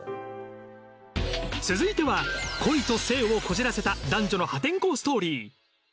続いては恋と性をこじらせた男女の破天荒ストーリー。